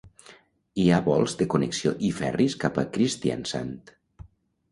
Hi ha vols de connexió i ferris cap a Kristiansand.